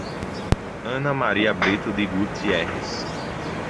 Ana Maria Brito de Gutierrez